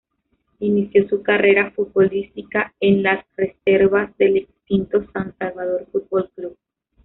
Inició su carrera futbolística en las reservas del extinto San Salvador Fútbol Club.